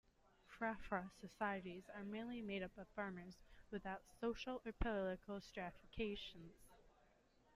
Frafra societies are mainly made up of farmers, without social or political stratification.